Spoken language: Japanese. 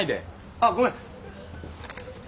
あっごめん。